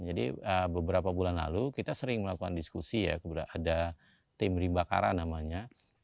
beberapa bulan lalu kita sering melakukan diskusi ya ada tim ribakara namanya